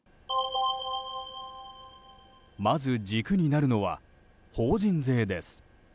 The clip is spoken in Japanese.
まず、軸になるのは法人税です。